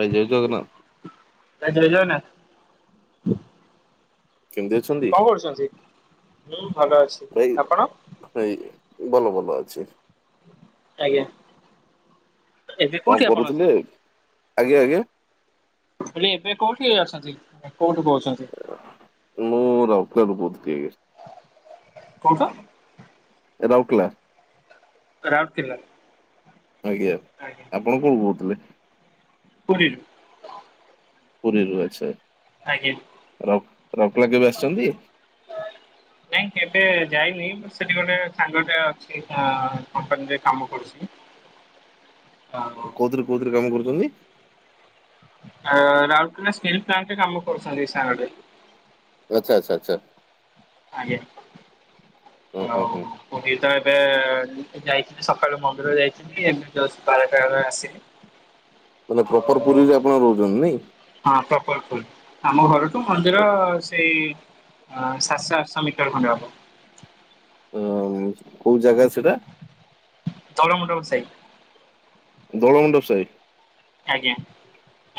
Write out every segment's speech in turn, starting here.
ଭାଇ ଜୟ ଜଗନ୍ନାଥ। ଭାଇ ଜଗନ୍ନାଥ। କେମିତି ଅଛନ୍ତି? କଣ କରୁଛନ୍ତି ମୁଁ ଭଲ ଅଛି ଆପଣ? ଏଇ ଭଲ ଭଲ ଅଛି। ଆଜ୍ଞା। ଏବେ କୋଉଠି କଣ ଆପଣ କରୁଥିଲେ ଅଛନ୍ତି? ଆଜ୍ଞା ଆଜ୍ଞା। ହେଲେ ଏବେ କୋଉଠି ଅଛନ୍ତି କୋଉଠୁ କହୁଛନ୍ତି। ମୁଁ ରାଉଲକେଲାରୁ କହୁଥିଲି ଆଜ୍ଞା। କୋଉଛ। ରାଉକେଲା। ରାଉରକେଲା। ଆଜ୍ଞା। ଆଜ୍ଞା। ଆପଣ କଉଠୁ କହୁଥିଲେ। ପୁରୀରୁ। ପୁରୀରୁ ଆଛା ଆଜ୍ଞା। ରାଉ ରାଉରକେଲା କେବେ ଆସିଛନ୍ତି। ନାଇଁ କେବେ ଯାଇନି ସେଠି ଗୋଟେ ସାଙ୍ଗଟେ ଅଛି ଆଁ କମ୍ପାନୀରେ କାମ କରୁଛି। ହଁ। କଉଥିରେ କୋଉଥିରେ କାମ କରୁଛନ୍ତି। ଆ ରାଉଲକେଲା ଷ୍ଟିଲ୍ ପ୍ଲାଣ୍ଟ ରେ କାମ କରଚନ୍ତି ସାଙ୍ଗଟେ। ଆଚ୍ଛା ଆଛା ଆଛା। ଆଜ୍ଞା ହଁ ହଁ ହଉ। ହଁ ମୁଁ ବି ତ ଏବେ ଯାଇଥିଲି ସକାଳୁ ମନ୍ଦିର ଯାଇଥିଲି ଏବେ ଯଷ୍ଟ ବାରଟା ବେଳେ ଆସିଲି। ବୋଲେ ପ୍ରପର ପୁରୀରେ ଆଉ ଆପଣ ରହୁଛନ୍ତି ନାଇଁ? ହଁ ପ୍ରପର ପୁରୀ ଆମ ଘରଠୁ ମନ୍ଦିର ସେଇ ଆ ସାତଶହ ଆଠଶହ ମିଟର ଖଣ୍ଡେ ହବ। ଆଉ କୋଉ ଜାଗା ସେଇଟା? ଦୋଳ ମଣ୍ଡପ ସାଇ। ଦୋଳ ମଣ୍ଡପ ସାଇ! ଆଜ୍ଞା।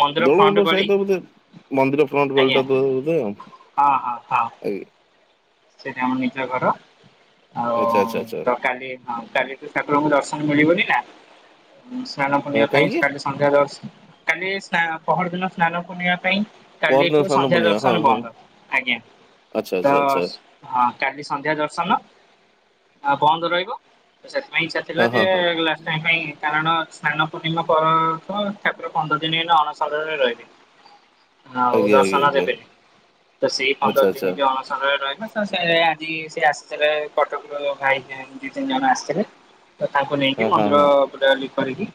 ମନ୍ଦିର ଦୋଳ ଫ୍ରଣ୍ଟ ମଣ୍ଡପ ଗଳି ସାହି ତ ବୋଧେ ମନ୍ଦିର ଫ୍ରଣ୍ଟ ଆଜ୍ଞା ଗଳିଟା ତ ବୋଧେ ଆଉ ଆଜ୍ଞା। ସେଇଠି ଆମ ନିଜ ଘର ଆଉ ଆଚ୍ଛା ଆଚ୍ଛା ଆଚ୍ଛା ତ କାଲି ହଁ କାଲିଠୁ ଠାକୁରଙ୍କୁ ଦର୍ଶନ ମିଳିବନି ନା ସ୍ନାନ ପୂର୍ଣ୍ଣିମା ପାଇଁ କାହିଁକି? କାଲି ସନ୍ଧ୍ୟା ଦର୍ଶ କାଲି ସ୍ନା ପହରଦିନ ସ୍ନାନ ପୂର୍ଣ୍ଣିମା ପାଇଁ ପହରଦିନ କାଲିଠୁ ସ୍ନାନ ସନ୍ଧ୍ୟା ପୂର୍ଣ୍ଣିମା ଦର୍ଶନ ହଁ ହଁ। ବନ୍ଦ ଆଜ୍ଞା ଆଚ୍ଛା ତ ଆଚ୍ଛା ଆଚ୍ଛା ହଁ କାଲି ସନ୍ଧ୍ୟା ଦର୍ଶନ ଆଉ ବନ୍ଦ ରହିବ। ତ ସେଥିପାଇଁ ଇଚ୍ଛା ଥିଲା ହଁ ହଁ ଯେ ହଁ ଲା ଷ୍ଟ ପାଇଁ କାରଣ ସ୍ନାନ ପୂର୍ଣ୍ଣିମା ପରଠୁଁ ତାପରେ ପନ୍ଦର ଦିନ ଏଇନେ ଅଣସରରେ ରହିବେ। ଆଉ ଆଜ୍ଞା ଆଜ୍ଞା ଦର୍ଶନ ଆଜ୍ଞା ଦେବେ ତ ସେଇ ଆଚ୍ଛା ପନ୍ଦର ଆଚ୍ଛା ଦିନ ଯୋଉ ଅଣସରରେ ରହିବେ ତ ସେ ଆଜି ସେ ଆସିଥିଲେ କଟକରୁ ଭାଇ ଜନ ଦି ତିନି ଜଣ ଆସିଥିଲେ ତ ତାଙ୍କୁ ହଁ ନେଇକି ହଁ ମନ୍ଦିର ହଁ [unintelligible] କରିକି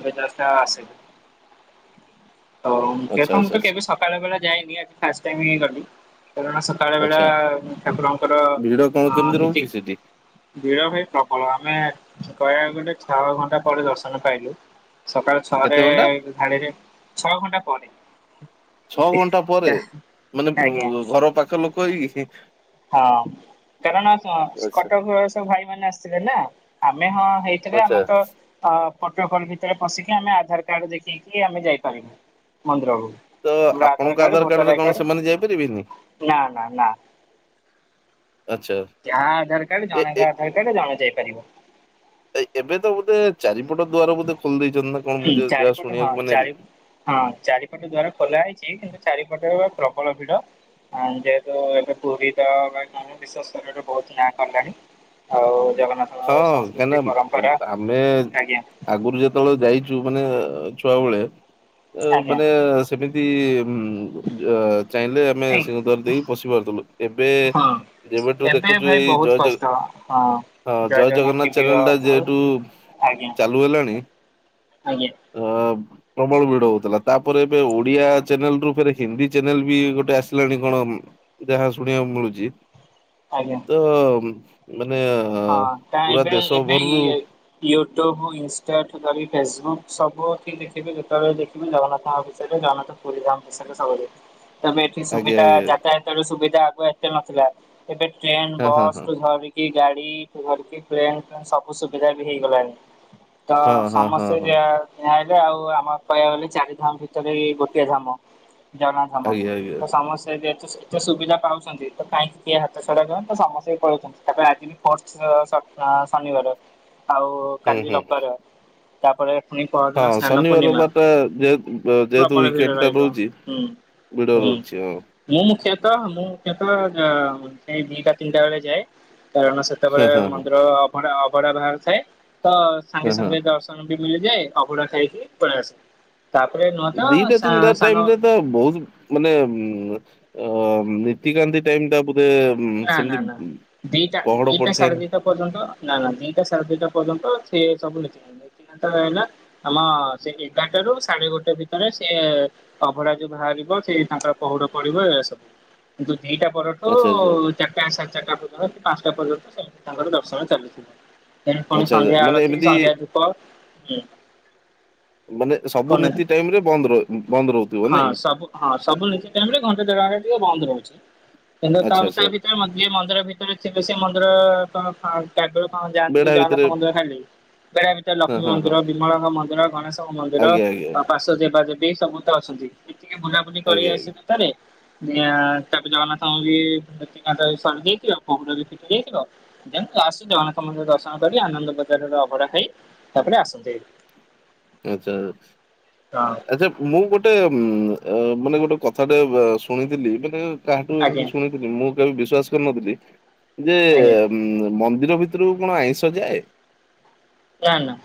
ଏବେ ଯଷ୍ଟ ଆସିଲି। ତ ଆଚ୍ଛା ଦେଖନ୍ତୁ ଆଚ୍ଛା ତ ଆଚ୍ଛା କେବେ ସକାଳ ବେଳେ ଯାଇନି ଆଜି ଫାଷ୍ଟ ଟାଇମି ହିଁ ଗଲି ତ ସକାଳ ବେଳା ଆଚ୍ଛା ଠାକୁରଙ୍କର ଭିଡ କଣ ଆ କେମିତି ନୀତି ରହୁଛି ସେଠି ଭିଡ଼ ଭାଇ ପ୍ରବଳ ଆମେ କହିବାକୁ ଗଲେ ଛଅ ଘଣ୍ଟା ପରେ ଦର୍ଶନ ପାଇଲୁ ସକାଳ କେତେ ଛଅରେ ଘଣ୍ଟା ଧାଡିରେ ଛଅ ଘଣ୍ଟା ପରେ ଛଅ ଘଣ୍ଟା ପରେ ମାନେ ଆଜ୍ଞା [unintelligible] ଘର ପାଖ ଲୋକ ହେଇକି ହଁ କାରଣ ସ ଆଚ୍ଛା କଟକରୁ ଆଉ ସବୁ ଭାଇମାନେ ଆସିଥିଲେ ନା ଆମେ ହଁ ହେଇ ଥିଲେ ଆଚ୍ଛା ଆମେ ତ ଅ ଫଟୋକଲ ଭିତରେ ପଶିକି ଆମେ ଆଧାରକାର୍ଡ ଦେଖେଇକି ଆମେ ଯାଇପାରିବୁ ମନ୍ଦିରକୁ। ତ ଆମର ଆଧାର ଆପଣଙ୍କ କାର୍ଡ ଭୋଟର ଆଧାରକାର୍ଡରେ ଆଇ କଣ କାର୍ଡ ସେମାନେ ଯାଇପାରିବେନି? ନା ନା ନା। ଆଚ୍ଛା। ଯାହା ଆଧାରକାର୍ଡ ଏ ଏ ଜଣେଙ୍କ ଆଧାରକାର୍ଡ ଜଣେ ଯାଇପାରିବ। ଏ ଏବେ ତ ବୋଧେ ଚାରିପଟ ଦୁଆର ବୋଧେ ଖୋଲି ଦେଇଛନ୍ତି ନା? କଣ ହୁଁ ମୁଁ ଯା- ଯାହା ଚାରିପଟୁ ହଁ ଶୁଣିବାକୁ ମାନେ ଚାରି ହଁ ଚାରିପଟ ଦ୍ଵାରା ଖୋଲା ହେଇଛି କିନ୍ତୁ ଚାରିପଟ ପ୍ରବଳ ଭିଡ ହଁ ଯେହେତୁ ଏବେ ପୁରୀ ତ ବା [unintelligible] ବିଶ୍ୱସ୍ତରରେ ଏବେ ବହୁତ ନାଁ କଲାଣି। ଆଉ ଜଗନ୍ନାଥ ହଁ କାହିଁକିନା ଆମେ ଆଜ୍ଞା ଆଗରୁ ଯେତ ଯେତେବେଳେ ଯାଇଛୁ ମାନେ ଅ ଛୁଆବେଳେ ଅ ଆଜ୍ଞା। ମାନେ ସେମିତି ଉଁ ଅ ଯୋ ଚାହିଁଲେ ଆମେ ନାଇଁ ସିଂହଦ୍ୱାର ଦେଇକି ପଶି ପାରୁଥିଲୁ ଏବେ ହଁ ଯେବେଠୁ ଏବେ ଦେଖୁଛୁ ଭାଇ ଏଇ ବହୁତ ଜୟ ଜଗ୍ କଷ୍ଟ ହଁ। ହ ଜୟ ଜଗନ୍ନାଥ ଚ୍ୟାନେଲଟା ଯେହେଟୁ ଚାଲୁ ହେଲାଣି ଆଜ୍ଞା ଅ ପ୍ରବଳ ଭିଡ ହଉଥିଲା ତାପରେ ଏବେ ଓଡିଆ ଚ୍ୟାନେଲରୁ ଫେରେ ହିନ୍ଦୀ ଚ୍ୟାନେଲ ବି ଗୋଟେ ଆସିଲାଣି କଣ ଯାହା ଶୁଣିବାକୁ ମିଳୁଛି ଆଜ୍ଞା। ତ ମାନେ ହଁ ତା ପୁରା ଏବେ ଦେଶ ଏବେ ଇ ଭରରୁ ୟୁଟ୍ୟୁବ୍, ଇନଷ୍ଟା ଠୁ ଧିରିକି ଫେସବୁକ୍ ସବୁଠି ଦେଖିବେ ଯେତେବେଳେ ଦେଖିବେ ଜଗନ୍ନାଥଙ୍କ ବିଷୟରେ ଜଗନ୍ନାଥ [unintelligible] ତେବେ ଏଠି ଆଜ୍ଞା ସୁବିଧା ଆଜ୍ଞା ଯାତାୟାତ ରୁ ସୁବିଧା ଆଗୁଆ ଏତେ ନଥିଲା ଏବେ ଟ୍ରେନ, ହଁ ହଁ ବସ୍ ହଁ ଧରି ଗାଡ଼ି [unintelligible] ଟ୍ରେନ୍ ଫେନ୍ ସବୁ ସୁବିଧା ବି ହେଇଗଲାଣି। ତ ହଁ ହଁ ହଁ ସମସ୍ତେ ହଁ ଯ ଯାଁଇଲେ ଆଉ ଆମ କହିବାକୁ ଗଲେ ଚାରି ଧାମ ଭିତରେ ଇଏ ଗୋଟିଏ ଧାମ। [unintelligible] ଆଜ୍ଞା ଆଜ୍ଞା ତ ସମସ୍ତେ ବି ଏଠିକି ସୁବିଧା ପାଉଛନ୍ତି ତ କାହିଁକି କିଏ ହାତ ଛଡ଼ା [unintelligible] ସମସ୍ତେ ବି ପଳାଉଛନ୍ତି ତାପରେ [unintelligible] ଶନିବାର ଆଉ ହୁଁ କାଲି ହୁଁ ରବିବାର। ତାପରେ ପୁଣି ହଁ ପରଦିନ ସ୍ନାନ ଶନିବାର ପୂର୍ଣ୍ଣିମା ରବିବାର ଟା ଯେହେ ଯେହେତୁ ପ୍ରବଳ ଭିଡ ୱେକେଣ୍ଡ୍ ଟା ରହିବ ରହୁଛି। ହୁଁ ଭିଡ଼ ହୁଁ। ରହୁଛି ହଁ। ମୁଁ ମୁଖ୍ୟତଃ ମୁଁ ମୁଖ୍ୟତଃ ସେ ଦିଟା ତିନିଟା ବେଳେ ଯାଏ। କାରଣ ହଁ ସେତେବେଳେ ହଁ ହଁ। ମନ୍ଦିର ଅଭଡ଼ା ଅଭଡ଼ା ବାହାରୁ ଥାଏ ତ ହଁ ସାଙ୍ଗେ ହଁ ସାଙ୍ଗେ ଦର୍ଶ [unintelligible] ବି ମିଳିଯାଏ ଆଉ ଅଭଡ଼ା ଖାଇକି ପଳେଇ ଆସେ। ତାପରେ ନୁହଁ ତ ଦିଟା ସା ତିନିଟା ସାଙ୍ଗ ଟାଇମ୍ ରେ ତ ବହୁତ୍ ମାନେ ଉଁ ଅ ନୀତିକାନ୍ତି ଟାଇମ୍ ଟା ବୋଧେ। ଉଁ, ନା ନା ସେମିତି ଉଁ, ନା ଦିଟା ପହଡ ଦିଟା ପଡିଥାଏ ସାଢ଼େ ନା ଦିଟା ପର୍ଯ୍ୟନ୍ତ ନା ନା ଦିଟା ସାଢ଼େ ଦିଟା ପର୍ଯ୍ୟନ୍ତ ସେ ସବୁ ନତି [unintelligible] ହେଲା। ଆମ ସେ ଏଗାରଟା ରୁ ସାଢ଼େ ଗୋଟେ ଭିତରେ ସେ ଅଭଡ଼ା ଯୋଉ ବାହାରିବ ସେ ତାଙ୍କର ପହୁଡ଼ ପଡ଼ିବ ଏ ସବୁ କିନ୍ତୁ ଦିଟା ପରଠୁ ଆଚ୍ଛା ଆଚ୍ଛା ଚାରିଟା ସାଢ଼େ ଚାରିଟା ପର୍ଯ୍ୟନ୍ତ ପାଞ୍ଚଟା ପର୍ଯ୍ୟନ୍ତ ସେ ତାଙ୍କର ଦର୍ଶନ ଚାଲିଥିବ। ସେଠୁ ପୁଣି ଆଚ୍ଛା ଆଚ୍ଛା ସନ୍ଧ୍ୟା ମାନେ ଆଳତି ଏମିତି ସନ୍ଧ୍ୟା ଧୂପ ହୁଁ। ମାନେ ସବୁ କହୁନାହାନ୍ତି ନୀତି ଟାଇମ୍ ରେ ବନ୍ଦ ରହେ। ହଁ ସବୁ ହଁ ସବୁ ନିତି ଟାଇମ୍ ରେ ଘଣ୍ଟେ ଦେଢ଼ ଘଣ୍ଟା ଟିକେ ବନ୍ଦ ରହୁଛି। ହେଲେ ତା ଆଚ୍ଛା ତା ଆଚ୍ଛା ଭିତରେ ଯିଏ ମନ୍ଦିର ଭିତରେ ଥିବେ ସିଏ ମନ୍ଦିର ତ [unintelligible] କଣ ଯାଆନ୍ତି ବେଢା କି ଭିତରେ ଜଗନ୍ନାଥ ମନ୍ଦିର ଖାଲି ବେଢ଼ା ଭିତରେ ହଁ ଲକ୍ଷ୍ମୀ ହଁ ହଁ ମନ୍ଦିର, ବିମଳାଙ୍କ ମନ୍ଦିର, ଗଣେଶଙ୍କ ମ ମନ୍ଦିର ଆଜ୍ଞା ଆଜ୍ଞା ପାଶ୍ଵ ଦେବା ଦେବି ସମସ୍ତେ ଅଛନ୍ତି ଟିକେ ବୁଲାବୁଲି କରି ଆଜ୍ଞା ଆସିବେ ଆଜ୍ଞା। ଭିତରେ [unintelligible] ତାପରେ ଜଗନ୍ନାଥ [unintelligible] [unintelligible] ଜଗନ୍ନାଥ ମନ୍ଦିର ଦର୍ଶନ କରି ଆନନ୍ଦ ବଜାରରେ ଅଭଡ଼ା ଖାଇ ତାପରେ ଆସନ୍ତି। ଆଚ୍ଛା ଆଚ୍ଛା। ହଁ। ମୁଁ ଗୋଟେ ଉଁ ମାନେ ଗୋଟେ କଥାଟେ ଶୁଣିଥିଲି ମାନେ କାହାଠୁ ଆଜ୍ଞା ଏମିତି ଶୁଣି ମୁଁ କେବେ ବିଶ୍ବାସ କରିନଥିଲି ଯେ ଆଜ୍ଞା ଉଁ ମନ୍ଦିର ଭିତରକୁ କଣ ଆଇଁଷ ଯାଏ? ନା ନା।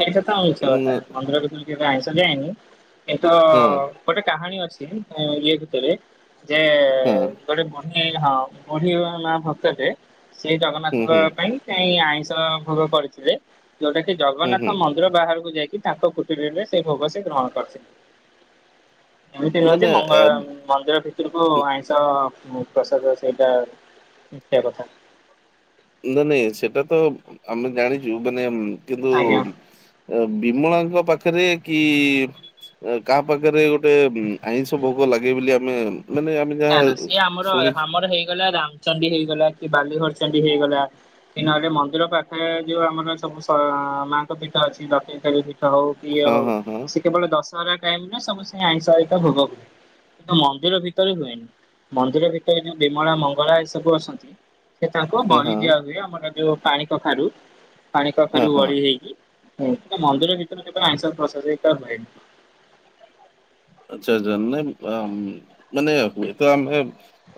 ସେଇଟା ତ ମିଛ କଥା ଉଁ ମନ୍ଦିର ଭିତରକୁ କେବେ ଆଇଁଷ ଯାଏନି କିନ୍ତୁ ହୁଁ। ଗୋଟେ କାହାଣୀ ଅଛି ଇଏ ଭିତରେ ଯେ ହଁ ଗୋଟେ ବୁଢ଼ୀ ହଁ ବୁଢ଼ୀ ମା ଭକ୍ତ ଟେ ସେଇ ହୁଁ ଜଗନ୍ନାଥଙ୍କ ହୁଁ ପାଇଁ [unintelligible] ଆଇଁଷ ଭୋଗ କରିଥିଲେ ଯୋଉଟା କି ହୁଁ ଜଗନ୍ନାଥ ହୁଁ ମନ୍ଦିର ବାହାରକୁ ଯାଇକି ତାଙ୍କ କୁଟୀର ରେ ସେ ଭୋଗ ସେ ଗ୍ରହଣ କରିଥିଲେ। ଏମିତି ନା ନୁହନ୍ତି ନା ମଙ୍ଗ ମନ୍ଦିର ଭିତର କୁ ଆଇଁଷ ପ୍ରସାଦ ସେଇଟା [unintelligible] କଥା। ନା ନାଇଁ ସେଟା ତ ଆମେ ଜାଣିଛୁ ମାନେ କିନ୍ତୁ ଆଜ୍ଞା। ବିମଳାଙ୍କ ପାଖରେ କି କାହା ପାଖରେ ଗୋଟେ ଆଇଁଷ ଭୋଗ ଲାଗେ ବୋଲି ଆମେ ମାନେ ଆମେ ନା ଯାହା ନା ସିଏ ଆମର ଶୁଣିଛୁ ଆମର ହେଇଗଲା ରାମଚଣ୍ଡୀ ହେଇଗଲା କି ବାଲିଘରଚଣ୍ଡୀ ହେଇଗଲା। କି ନହେଲେ ମନ୍ଦିର ପାଖରେ ଯୋଉ ଆମର ସବୁ ସ ମାଙ୍କ ପୀଠ ଅଛି [unintelligible] ହଉ ଇଏ ହଁ ହଉ। ହଁ ହଁ କେବଳ ଦଶହରା ଟାଇମ ସବୁ ସେ ଆଇଁଷ ହିତ ଭୋଗ କିନ୍ତୁ ମନ୍ଦିର ଭି ତରେ ନୁହେଁ ମନ୍ଦିର ଭିତରେ ଯୋଉ ବିମଳା ମଙ୍ଗଳା ଏ ସବୁ ଅଛନ୍ତି। ସେ ତାଙ୍କୁ ହଁ ବଳି ହଁ ଦିଆ ହୁଏ ଆମର ଯୋଉ ପାଣି କଖାରୁ ପାଣି ହଁ କଖାରୁ ହଁ ବଳି ହେଇକି ହ ମନ୍ଦିର ଭିତରେ କେବେ ଆଇସ ପ୍ର [unintelligible] ହୁଏ। ଆଚଛା ଆଛା ନାଇଁ ମାନେ ହୁଏ ତ ଆମେ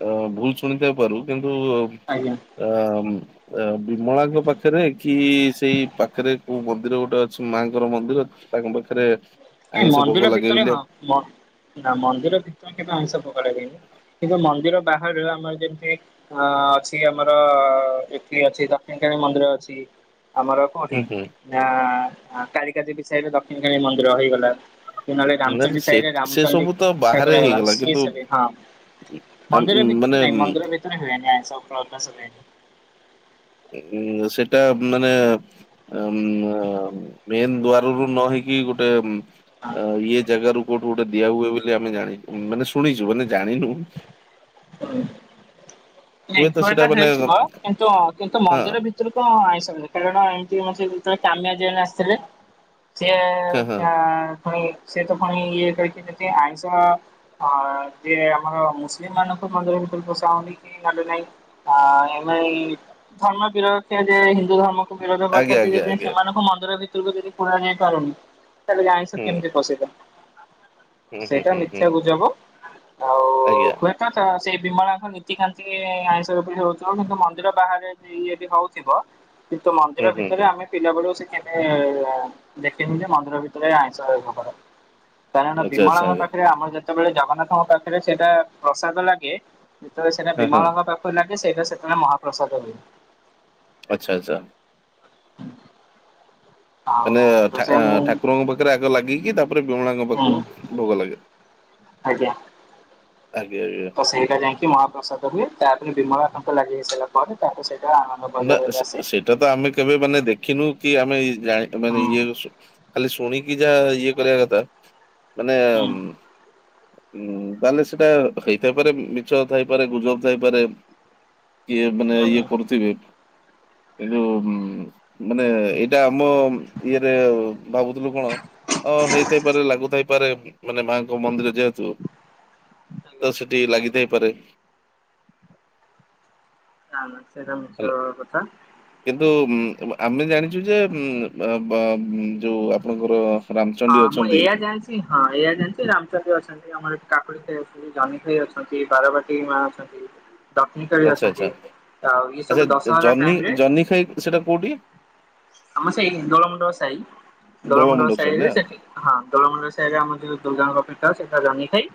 ଅ ଭୁଲ ଶୁଣିଥାଇ ପାରୁ କିନ୍ତୁ ଆଜ୍ଞା। ଆ ବିମଳାଙ୍କ ପାଖରେ କି ସେଇ ପାଖରେ କୋଉ ମନ୍ଦିର ଗୋଟେ ଅଛି ମାଙ୍କର ମନ୍ଦିର ତାଙ୍କ ପାଖରେ ଆଇଁଷ ଭୋଗ ମନ୍ଦିର ଲାଗେ ଭିତରେ ବୋଲି ହଁ ନା ମନ୍ଦିର ଭିତରେ କେବେ ଆଇଁଷ ପକଡ଼ା ହୁଏନି। କିନ୍ତୁ ମନ୍ଦିର ବାହାରୁ ଆମର ଯେମିତି ଅ ଅଛି ଆମର ଏଠି ଅଛି ଦକ୍ଷୀଣିକାଣୀ ମନ୍ଦିର ଅଛି ଆମର କୋଉଠି ହୁଁ ହୁଁ ନା କାରିକା ଦେବୀ ସାହିରେ ଦକ୍ଷିଣ କାଣୀ ମନ୍ଦିର ହେଇଗଲା। କି ନଲେ ନା ନା, ରାମଚଣ୍ଡୀ ସେ ସାହିରେ ସେ ରାମଚଣ୍ଡି ସବୁ ତ ବାହାରେ ଠାକୁର ହେଇଗଲା କିନ୍ତୁ ସିଏ [unintelligible] ହଁ ଆମ୍, ମନ୍ଦିର ଭିତରେ ମାନେ ନାଇଁ ମନ୍ଦିର ଭିତରେ ହୁଏନି ଆଇଁଷ [unintelligible] ଉଁ ସେଟା ମାନେ ଉଁ ମେନ୍ ଦ୍ୱାର ରୁ ନ ହେଇକି ଗୋଟେ ହଁ ଇଏ ଜାଗାରୁ କୋଉଠୁ ଗୋଟେ ଦିଆ ହୁଏ ବୋଲି ଆମେ ଜାଣି ମାନେ ଶୁଣିଛୁ ମାନେ ଜାଣିନୁ। ନାଇଁ ସେଇଟା ହୁଏତ ମାନେ ହେଇଥିବ କିନ୍ତୁ କିନ୍ତୁ ହଁ ମନ୍ଦିର ଭିତ କଣ ଆଇ କାରଣ ଏମିତି ମେ ଯେତେବେଳେ କାମିଆ ଆସିଥିଲେ ସିଏ ହଁ ହଁ ସିଏ ଫୁଣି ସେତ ଫୁଣି ଇଏ କରିକି ଯେମିତି ଆଇଁଷ ହଁ ଯିଏ ଆମର ମୁସଲିମ ମାନଙ୍କୁ ମନ୍ଦିର ଭିତରେ ପସାଉନି ନଲେ ନାହିଁ ଆ ଏ ଧର୍ମ ବିର ଯେ ହିନ୍ଦୁ ଧର୍ମ ବିରୋଧ [unintelligible] ଆଜ୍ଞା ଆଜ୍ଞା ଯଦି ଆଜ୍ଞା ସେମାନଙ୍କୁ ମନ୍ଦିର ଭିତରକୁ ଯଦି ପୁରା ଯାଇ ପାରୁନି। ତା ଆଇଁଷ ହୁଁ କେମିତି ପସେଇଲେ? ହୁଁ ହୁଁ ହୁଁ ହୁଁ ଆଜ୍ଞା। [unintelligible] ବିମଳା ଖନି ନୀତିକାନ୍ତି ଆଇଁଷ ବି ହଉଥିବ କିନ୍ତୁ ମନ୍ଦିର ବାହାରେ ବି ଇଏ ବି ହଉଥିବ। କିନ୍ତୁ ହୁଁ ମନ୍ଦିର ହୁଁ ଭିତରେ ହୁଁ ଆମେ ପିଲା ବେଳୁ ସେ କେଭେ ଦେଖିନି ଯେ ମନ୍ଦିର ଭିତରେ ଆଇଁଷ ହବାର। କାରଣ ଆଚ୍ଛା ଆଚ୍ଛା ଆଚ୍ଛା ବିମଳଙ୍କ ପାଖରେ ଆମର ଯେତେବେଳେ ଜଗନ୍ନାଥଙ୍କ ପାଖରେ ସେଇଟା ପ୍ରସାଦ ଲାଗେ। ଯେତବେଳେ ସେଇଟା ହଁ ହଁ ବିମଳାଙ୍କ ପାଖରେ ଲାଗେ ସେଇଟା ସେତବେଳେ ମହାପ୍ରସାଦ ହୁଏ। ଆଚ୍ଛା ଆଚ୍ଛା। ଆଉ ମାନେ ତ ସେ ମୁଁ ଠା-ଠାକୁରଙ୍କ ପାଖ ପାଖରେ ଆଗ ଲାଗିକି ତାପରେ ବିମଳାଙ୍କ ହୁଁ ପାଖକୁ ଭୋଗ ଲାଗେ। ଆଜ୍ଞା। ଆଜ୍ଞ ଆଜ୍ଞା। ତ ସେଇଟା ଯାଇକି ମହାପ୍ରସାଦ ହୁଏ ତାପରେ ବିମଳଳାଙ୍କ ଲାଗି ହେଇସାରିଲା ପରେ ତାକୁ ସେଇଟା ଆନ ନା ସେ-ସେଇଟା ତ ଆମେ କେବେ ମାନେ ଦେଖିନୁ କି ଆମେ ଜାଣିନୁ ମାନେ ହୁଁ ଇଏ ସୁ ଖାଲି ଶୁଣିକି ଯାହା ଇଏ କରିବା କଥା ମାନେ ହୁଁ ହୁଁ ତାହେଲେ ସେଇଟା ହେଇଥାଇପାରେ ମିଛ ଥାଇପାରେ ଗୁଜବ ଥାଇପାରେ। ଇଏ ମାନେ ଇଏ ଆଜ୍ଞା। କରୁଥିବେ। କିନ୍ତୁ ମାନେ ଏଇଟା ଆମ ଇଏରେ ଭାବୁଥିଲୁ କଣ ଅ ହେଇଥାଇପାରେ ଲାଗୁଥପାରେ ମାନେ ମାଙ୍କ ମନ୍ଦିର ଜେ ଆଜ୍ଞା ତ ସେଠି ଲାଗିଥାଇ ପାରେ। ନା ନା ସେଟା ହାଲୋ। ମିଛ କଥା। କିନ୍ତୁ ଉଁ ଆମେ ଜାଣିଛୁ ଯେ ଉଁ ବା ଉଁ ଯୋଉ ଆପଣଙ୍କର ରାମଚଣ୍ଡୀ ହଁ ମୁଁ ଅଛନ୍ତି। ଏଆ ଜାଣିଛି ହଁ ଏଆ ଜାଣିଛି ରାମଚଣ୍ଡି ଅଛନ୍। ଆମର ଏଠି କାକୁଡି ଖାଇ ଅଛନ୍ତି ଜମି ଖାଇ ଅଛନ୍ତି ବାରବାଟୀ ମା ଅଛନ୍ତି। ଦତ୍ନୀ କରି ଆଚ୍ଛା ଆଚ୍ଛା ଅଛନ୍ତି ଆଉ ଇଏ ସବୁ ଦଶମ ହେ ଟାଇମ ରେ। ସେଇଟା କୋଉଠି? ଆମ ସେଇଠ ଦୋଳମୁଣ୍ଡ ସାହି ଦୋଳ ଦୋଳମୁଣ୍ଡ ମଣ୍ଡପ ସାଇଡ୍ ନା ସାହିରେ ସେଠି ହଁ ଦଳମାଣ୍ଡା ସାଇଡରେ ଆର ଯଉ ଦୁର୍ଗା କପି ଟା ସେଟା ଜି ଖାଇ।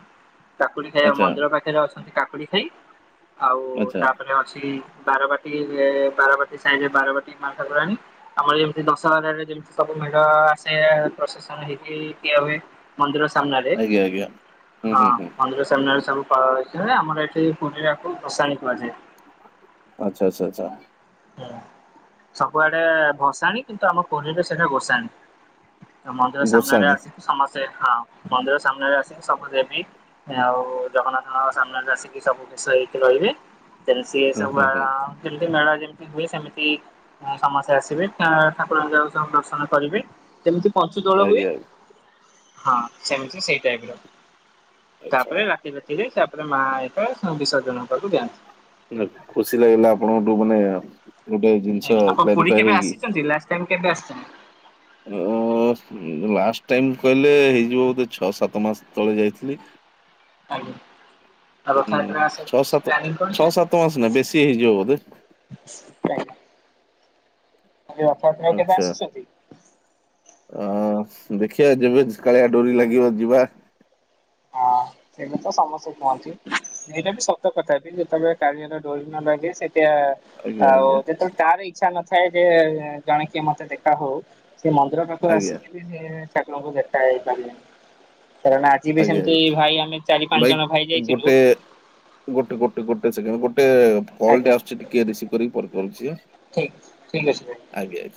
କାକୁଡି ଖାଇବା ଆଚ୍ଛା ମନ୍ଦିର ପାଖରେ ଅଛନ୍ତି କାକୁଡି ଖାଇ। ଆଉ ଆଚ୍ଛା ତାପରେ ଅଛି ବାରବାଟୀ ବାରବାଟୀ ସାହି ବାରବାଟୀ ମାଲଠାକୁରାଣୀ। ଆମର ଯେମିତି ଦଶହରରେ ଯେମିତି ସବୁ ମେଢ଼ ଆସେ ପ୍ରଶାସନ ହେଇକି ଏ ହୁଏ। ମନ୍ଦିର ସାମ୍ନାରେ ଆଜ୍ଞା ଆଜ୍ଞା ହୁଁ ହଁ ହୁଁ ହୁଁ। ମନ୍ଦିର ସାମ୍ନାରେ ସବୁ ଆମର ଏଠି ପୁରୀରେକୁ ଦର୍ଶାଣି କହାଯାଏ। ଆଛା ଆଚ୍ଛା ଆଛା। ହ ସବୁଆଡେ ଭସାଣି କିନ୍ତୁ ଆମ ପରିବେଶଠରେ ଭସାଣି। ମନ୍ଦିର ସାମ୍ନାରେ ଗୋସାଣୀ ଆସିକି ସମସ୍ତେ ହଁ ମନ୍ଦିର ସାମ୍ନାରେ ଆସିକି ସବୁ ଦେବୀ ଆଉ ଜଗନ୍ନାଥଙ୍କ ସାମ୍ନାରେ ଆସିକି ସବୁ କିଷ ହେଇଠି ରହିବେ। ସେ ହୁଁ ସବୁ ହୁଁ ଆ ହୁଁ ମେଳରେ ହୁଏ ସେମିତି ସମସ୍ତେ ଆସିବେ ଠାକୁରଙ୍କ ଯା ସବୁ ଦର୍ଶନ କରିବେ। ଯେମିତି ପଞ୍ଚୁ ଦୋଳ ହୁଏ ଆଜ୍ଞା ହଁ ସେମିତି ସେଇ ଟାଇପ ର। ଆଚ୍ଛା। ତାପରେ ରାତି ରାତିରେ ତାପରେ ମା ଏକା ବିସର୍ଜନ ହବାକୁ ଯାନ୍ତି। ଖୁସି ଲାଗିଲା ଆପଣଙ୍କଠୁ ମାନେ ଗୋଟେ ଜିନିଷ ଆଜ୍ଞା ଆପଣ ପୁରୀ କ୍ଲାରିଫାଇ କେବେ ହେଇକି। [unintelligible] ଉ ଉ ଉ ଲାଷ୍ଟ ଟାଇମ କହିଲେ ହେଇଯିବ ବୋଧେ ଛଅ ସାତ ମାସ ତଳେ ଯାଇଥିଲି। ଆଜ୍ଞା। ଆଉ ଉଁ ରଥଯାତ୍ରା ଆସ ଛଅ ସାତ ପ୍ଲାନିଙ୍ଗ ଛଅ ସାତ କରିଛନ୍ତି? ମାସ ନା ବେଶୀ ହେଇଯିବ ବୋଧେ ନାଇଁ ଆଉ [unintelligible] ଆଚ୍ଛା। ଆସିଛନ୍ତି। ଅ ଦେଖିବା ଯେବେ କାଳିଆ ଡୋରି ଲାଗିବ ଯିବା। ହଁ ସେଇଟା ତ ସମସ୍ତେ କୁହନ୍ତିୁ। ଏଇଟା ବି ସତ କଥା ବିି ଯେତେବେଳେ କାଳିଆର ଡରି ନ ଲାଗେ ସେଟା ଆଜ୍ଞା ଆଉ ଆଜ୍ଞା। ଯେତେବେଳେ ତାର ଇଚ୍ଛା ନଥାଏ ଯେ ଜଣେ କିଏ ମତେ ଦେଖା ହଉ। ସେ ମନ୍ଦିର ପାଖରୁ ଆଜ୍ଞା ଆସିକି ବି ସେ ଠାକୁରଙ୍କୁ ଦେଖା ହେଇପାରିଲେନି [inaudible] ଯିବି ଆଜ୍ଞା ସେମିତି ଆଜ୍ଞା ଭାଇ ଆମେ ଚାରି ପାଞ୍ଚ ଜଣ ଭାଇ ଯାଇଥିଲୁ। ଗୋଟେ ଗୋଟେ ଗୋଟେ ଗୋଟେ ସେକଣ୍ଡ ଗୋଟେ କଲ ଟେ ଆଜ୍ଞା ଆସୁଛି ଟିକେ ରିସିଭ କରିକି ପରେ କରୁଚି ଆ ଠିକ ଠିକ ଅଛି ଭାଇ। ଆଜ୍ଞା।